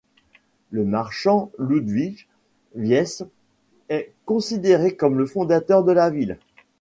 Le marchand Ludvig Wiese est considéré comme le fondateur de la ville.